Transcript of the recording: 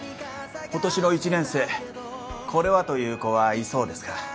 今年の１年生これはという子はいそうですか？